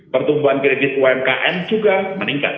pertumbuhan kredit umkm juga meningkat